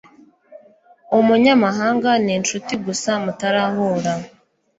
Umunyamahanga ni inshuti gusa mutarahura.